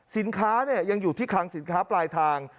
สินค้ายังอยู่ที่คลังสินค้าปลายทาง